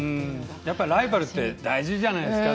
やっぱりライバルって大事じゃないですか。